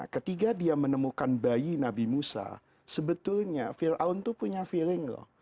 ketika dia menemukan bayi nabi musa sebetulnya fir'aun itu punya feeling loh